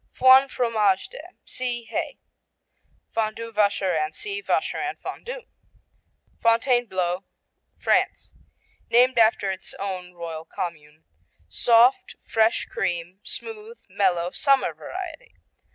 Foin, Fromage de see Hay. Fondu, Vacherin see Vacherin Fondu. Fontainebleau France Named after its own royal commune. Soft; fresh cream; smooth; mellow; summer variety.